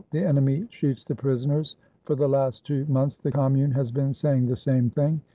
The enemy shoots the prisoners." (For the last two months the Commune had been saying the same thing.)